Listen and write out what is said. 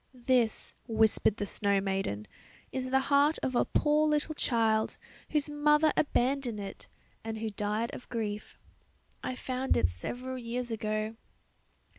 "This," whispered the snow maiden, "is the heart of a poor little child, whose mother abandoned it, and who died of grief. I found it several years ago.